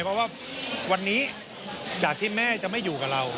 เพราะว่าวันนี้จากที่แม่จะไม่อยู่กับเรา